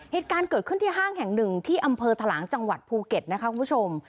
เหตุการณ์เกิดขึ้นที่ห้างแห่งหนึ่งที่อำเภอทะลังจังหวัดภูเก็ตนะคะคุณผู้ชม